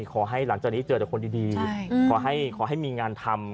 ขอให้หลังจากนี้เจอแต่คนดีขอให้มีงานทำ